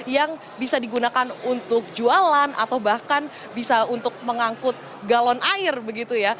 yang bisa digunakan untuk jualan atau bahkan bisa untuk mengangkut galon air begitu ya